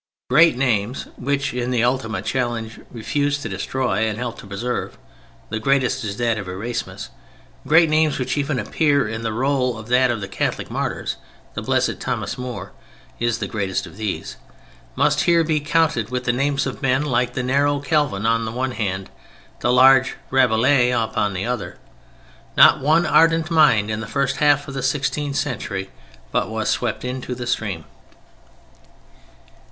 Great names which in the ultimate challenge refused to destroy and helped to preserve—the greatest is that of Erasmus; great names which even appear in the roll of that of the Catholic martyrs—the blessed Thomas More is the greatest of these—must here be counted with the names of men like the narrow Calvin on the one hand, the large Rabelais upon the other. Not one ardent mind in the first half of the sixteenth century but was swept into the stream.